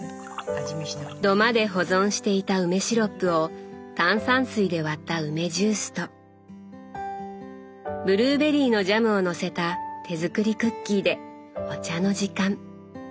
土間で保存していた梅シロップを炭酸水で割った梅ジュースとブルーベリーのジャムをのせた手作りクッキーでお茶の時間。